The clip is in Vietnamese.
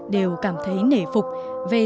đều cảm thấy nể phục về